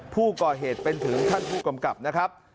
ผู้ก่อเหตุเป็นถึงท่านผู้กำกับนะครับ